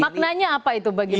maknanya apa itu bagi anda